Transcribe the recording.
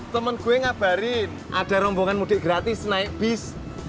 temen gue ngabarin ada rombongan mudik gratis naik bis